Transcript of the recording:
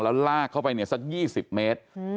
แล้วลากเข้าไปเนี่ยสัก๒๐เมตร